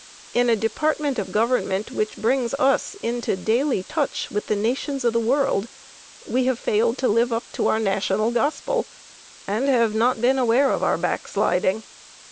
In a department of government which brings us into daily touch with the nations of the world, we have failed to live up to our national gospel and have not been aware of our backsliding.